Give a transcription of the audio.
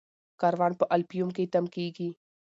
کاروان په الفیوم کې تم کیږي.